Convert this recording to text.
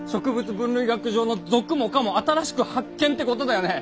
分類学上の属も科も新しく発見ってことだよね？